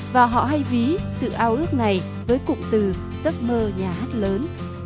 và họ hay ví sự ao ước này với cụm từ giấc mơ nhà hát lớn